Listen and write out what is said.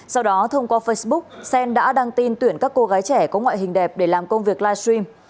sau đó thông qua facebook xen đã đăng tin tuyển các cô gái trẻ có ngoại hình đẹp để làm công việc live stream